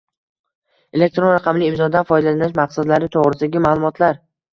elektron raqamli imzodan foydalanish maqsadlari to‘g‘risidagi ma’lumotlar;